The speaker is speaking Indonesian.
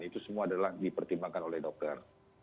itu semua adalah dipertimbangkan oleh dokter